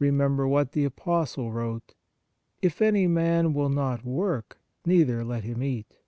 Remem ber what the Apostle wrote : "If any man will not work, neither let him eat."